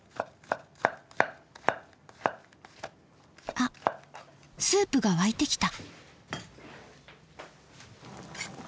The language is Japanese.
あっスープが沸いてきた。